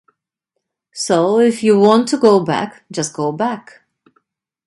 So if you want to go back, just go back.